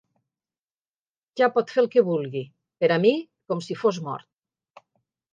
Ja pot fer el que vulgui: per a mi, com si fos mort.